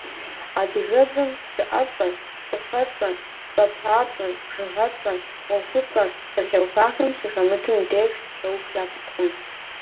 Адыгэбзэм щыӏэцӏэр, плъыфэцӏэр, цӏэпапщӏэр, бжыгъэцӏэр, ӏуэхуцӏэр псалъэухам щыхэмытым деж кӏэух япыткъым.